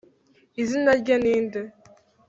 izina rye ni nde